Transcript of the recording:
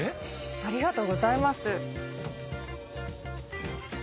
ありがとうございます。